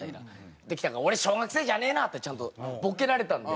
ってきたから「俺小学生じゃねえな！」ってちゃんとボケられたので。